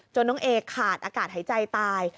น้องเอขาดอากาศหายใจตาย